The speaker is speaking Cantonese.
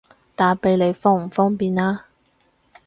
打畀你方唔方便啊？